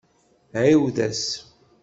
Ɛiwed-as.